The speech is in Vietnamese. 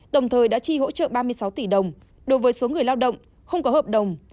đồng thời đã chi hỗ trợ ba mươi sáu tỷ đồng đối với số người lao động không có hợp đồng